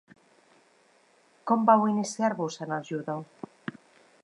Com vau iniciar-vos en el judo?